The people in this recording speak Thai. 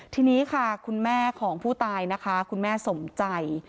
ทีนี้ค่ะคุณแม่ของผู้ตายนะคะคุณแม่สมใจ